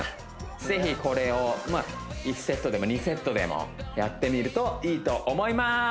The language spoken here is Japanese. ぜひこれをまあ１セットでも２セットでもやってみるといいと思います